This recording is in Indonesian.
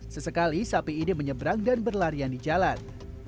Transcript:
sesekali sapi ini menyeberang dan berlarian di jalan